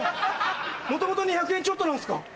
元々２００円ちょっとなんすか？